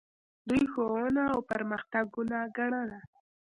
دوی ښوونه او پرمختګ ګناه ګڼله